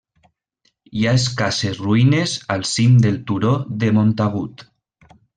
Hi ha escasses ruïnes al cim del turó de Montagut.